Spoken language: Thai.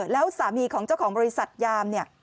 แล้วสามีของเจ้าของบริษัทยามเนี่ย